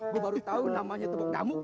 gue baru tahu namanya tebok damuk